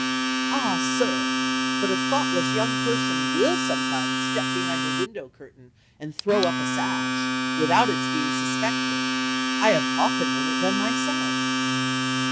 "'Ah! sir but a thoughtless young person will sometimes step behind a window curtain, and throw up a sash, without its being suspected. I have often known it done myself.'